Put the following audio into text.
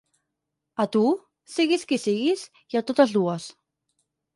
A tu, siguis qui siguis, i a totes dues.